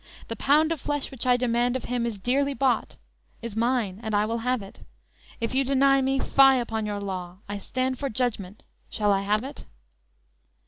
The pound of flesh which I demand of him Is dearly bought, is mine, and I will have it; If you deny me, fye upon your law! I stand for judgment; shall I have it?"